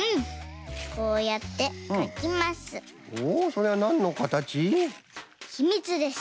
それはなんのかたち？ひみつです。